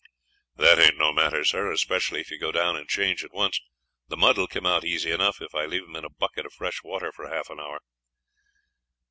"That aint no matter, sir, especially if you go down and change at once; the mud will come out easy enough if I leave them in a bucket of fresh water for half an hour."